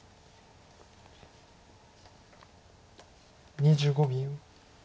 ２５秒。